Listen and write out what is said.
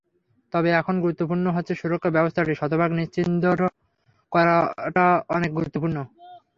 তবে এখন গুরুত্বপূর্ণ হচ্ছে সুরক্ষা ব্যবস্থাটি শতভাগ নিশ্ছিদ্র করাটা অনেক গুরুত্বপূর্ণ।